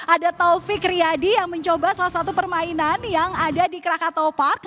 ada taufik riyadi yang mencoba salah satu permainan yang ada di krakatopark